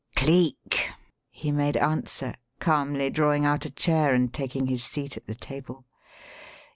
"Cleek," he made answer, calmly drawing out a chair and taking his seat at the table.